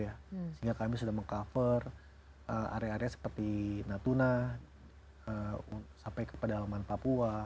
sehingga kami sudah meng cover area area seperti natuna sampai ke pedalaman papua